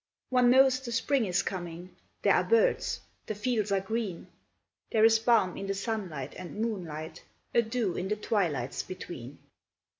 One knows the spring is coming; There are birds; the fields are green; There is balm in the sunlight and moonlight, A dew in the twilights between.